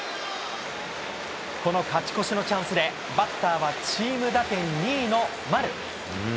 この勝ち越しのチャンスで、バッターはチーム打点２位の丸。